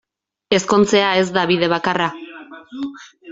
Ezkontzea ez da bide bakarra.